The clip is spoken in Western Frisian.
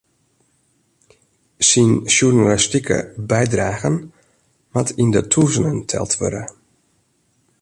Syn sjoernalistike bydragen moat yn de tûzenen teld wurde.